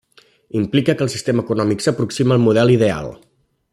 Implica que el sistema econòmic s'aproxima al model ideal.